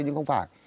nhưng không phải